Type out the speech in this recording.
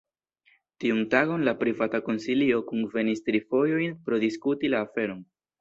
Tiun tagon la Privata Konsilio kunvenis tri fojojn por diskuti la aferon.